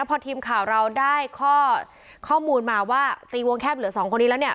พอทีมข่าวเราได้ข้อมูลมาว่าตีวงแคบเหลือสองคนนี้แล้วเนี่ย